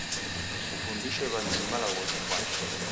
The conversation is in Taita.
Kufundishe w'anyinyu malagho ghifwane